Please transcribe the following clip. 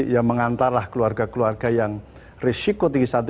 yang mengantarlah keluarga keluarga yang risiko tinggi satu